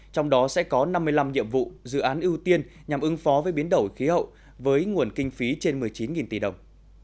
trong đó sẽ có năm mươi năm nhiệm vụ dự án ưu tiên nhằm ứng phó với biến đổi khí hậu với nguồn kinh phí trên một mươi chín tỷ đồng